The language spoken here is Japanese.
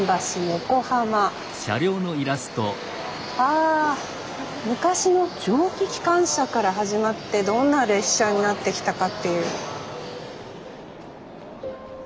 あ昔の蒸気機関車から始まってどんな列車になってきたかっていう。